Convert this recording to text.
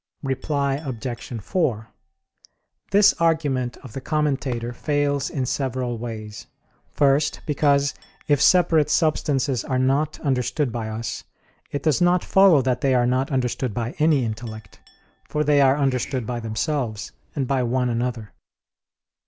Reply Obj. 4: This argument of the Commentator fails in several ways. First, because if separate substances are not understood by us, it does not follow that they are not understood by any intellect; for they are understood by themselves, and by one another.